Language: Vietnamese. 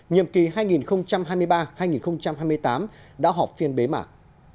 nhiệm kỳ hai nghìn hai mươi ba hai nghìn hai mươi tám đã họp phiên bế mạc